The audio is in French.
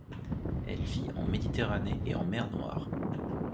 Elle vit en Méditerranée et en mer Noire.